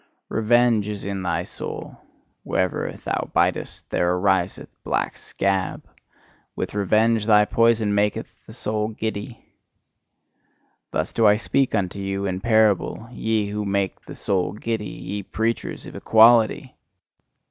Revenge is in thy soul: wherever thou bitest, there ariseth black scab; with revenge, thy poison maketh the soul giddy! Thus do I speak unto you in parable, ye who make the soul giddy, ye preachers of EQUALITY!